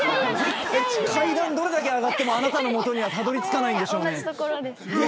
階段をどれだけ上がってもあなたのもとにはたどり着かないんでしょうね。